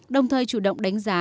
đồng thời chủ động đánh giá